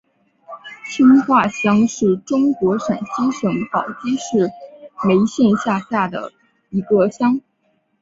青化乡是中国陕西省宝鸡市眉县下辖的一个乡。